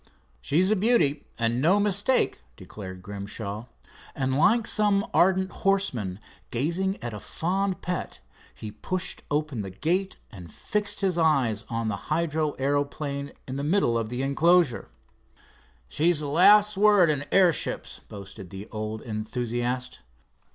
"She's a beauty, and no mistake," declared Grimshaw, and like some ardent horseman gazing at a fond pet, he pushed open the gate, and fixed his eyes on the hydro aeroplane in the middle of the enclosure. "She's the last word in airships," boasted the old enthusiast.